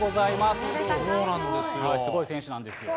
すごい選手なんですよ。